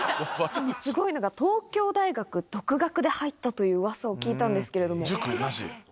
すごいのが東京大学に独学で入ったといううわさを聞いたんで塾なし？